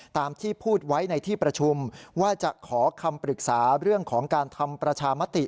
ตามที่พูดไว้ในที่ประชุมว่าจะขอคำปรึกษาเรื่องของการทำประชามติ